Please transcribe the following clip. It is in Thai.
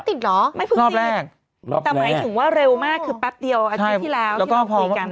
แต่ไหมถึงว่าเร็วมากคือแป๊บเดียวอาทิตย์ที่แล้วที่เราคุยกัน